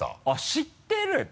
「あっ知ってる？」